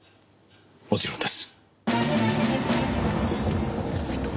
もちろんです。